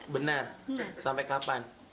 benar sampai kapan